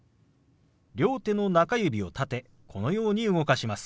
両手の中指を立てこのように動かします。